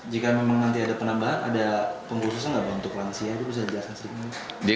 jika memang nanti ada penambahan ada pengkhususan nggak untuk lansia